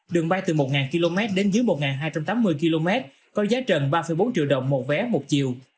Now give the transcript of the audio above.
đường bay từ một km đến dưới một hai trăm tám mươi km có giá trần ba bốn triệu đồng một vé một chiều